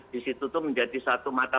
disitu tuh menjadi satu mata